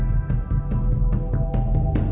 เวลาที่สุดท้าย